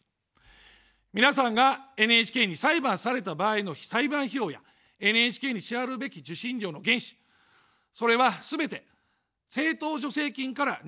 皆さんがＮＨＫに裁判された場合の裁判費用や、ＮＨＫに支払うべき受信料の原資、それはすべて政党助成金から捻出されます。